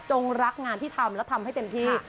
รักงานที่ทำและทำให้เต็มที่